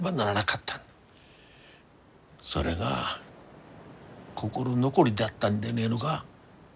それが心残りだったんでねえのが？